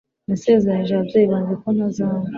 Nasezeranije ababyeyi banjye ko ntazanywa